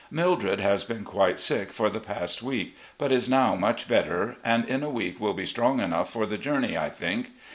Mildred has been quite sick for the past week, but is now much better, and in a week will be strong enough for the journey, I think.